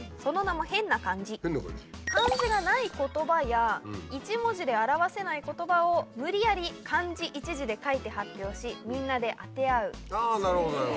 漢字がない言葉や１文字で表せない言葉を無理やり漢字１字で書いて発表しみんなで当て合う遊びですね。